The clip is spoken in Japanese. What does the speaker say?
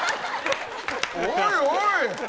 おいおい！